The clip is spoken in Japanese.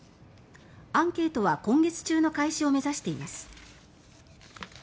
アンケートは今月中の開始を目指しています。